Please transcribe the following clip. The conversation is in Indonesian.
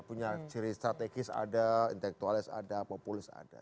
punya ciri strategis ada intelektualis ada populis ada